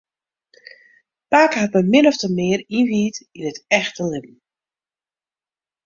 Pake hat my min ofte mear ynwijd yn it echte libben.